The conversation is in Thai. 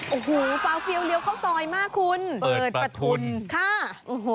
โอ้โหฟาวฟิลเลี้ยวเข้าซอยมากคุณเปิดประทุนค่ะโอ้โห